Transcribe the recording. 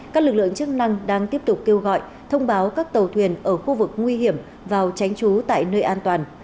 các lực lượng chức năng đang tiếp tục kêu gọi thông báo các tàu thuyền ở khu vực nguy hiểm vào tránh trú tại nơi an toàn